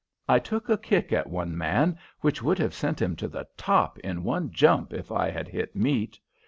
I took a kick at one man which would have sent him to the top in one jump if I had hit meat.